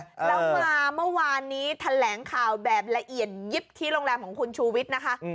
แล้วมาเมื่อวานนี้แถลงข่าวแบบละเอียดยิบที่โรงแรมของคุณชูวิทย์นะคะ